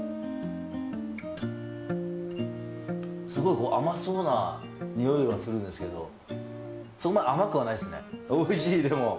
すごい甘そうな匂いはするんですけど、そんな甘くはないですね。